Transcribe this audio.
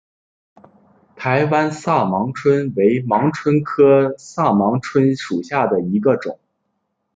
台湾萨盲蝽为盲蝽科萨盲蝽属下的一个种。